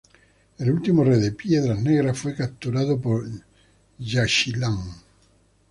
El último rey de Piedras Negras fue capturado por Yaxchilán.